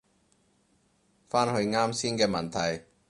返去啱先嘅問題